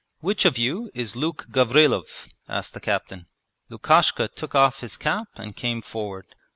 'Which of you is Luke Gavrilov?' asked the captain. Lukishka took off his cap and came forward.